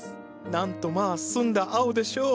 なんとまあ澄んだ青でしょう。